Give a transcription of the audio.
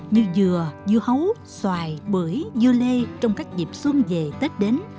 như dừa dưa hấu xoài bưởi dưa lê trong các dịp xuân về tết đến